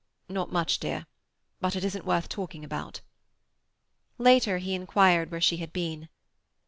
"Not much, dear. But it isn't worth talking about." Later, he inquired where she had been.